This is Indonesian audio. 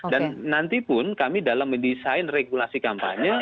dan nanti pun kami dalam mendesain regulasi kampanye